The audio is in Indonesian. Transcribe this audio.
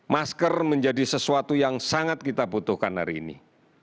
masker menjadi sesuatu yang sangat kita butuhkan hari ini